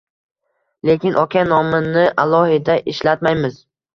Lekin okean nomini alohida ishlatmaymiz